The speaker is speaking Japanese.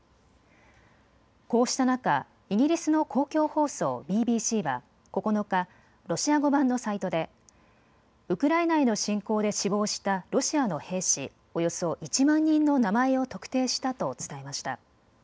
こうした中、イギリスの公共放送ＢＢＣは９日、ロシア語版のサイトでウクライナへの侵攻で死亡したロシアの兵士、およそ１万人の名前を特定したと伝えました。